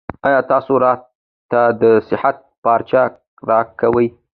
ایا تاسو راته د صحت پارچه راکوئ؟